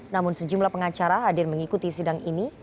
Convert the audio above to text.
namun sejumlah pengacara hadir mengikuti sidang ini